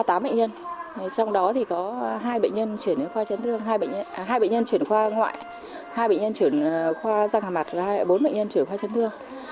trong đó thì có hai bệnh nhân chuyển khoa ngoại hai bệnh nhân chuyển khoa răng hà mặt và bốn bệnh nhân chuyển khoa chấn thương